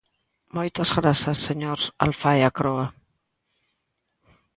Moitas grazas, señor Alfaia Croa.